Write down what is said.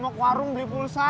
bawa ke warung beli pulsa